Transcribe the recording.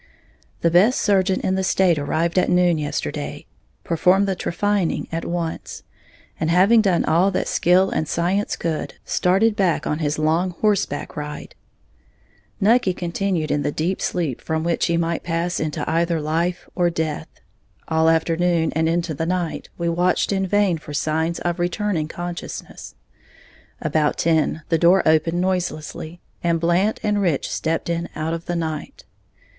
_ The best surgeon in the state arrived at noon yesterday, performed the trephining at once, and having done all that skill and science could, started back on his long horseback ride. Nucky continued in the deep sleep from which he might pass into either life or death. All afternoon, and into the night, we watched in vain for signs of returning consciousness. About ten, the door opened noiselessly, and Blant and Rich stepped in out of the night.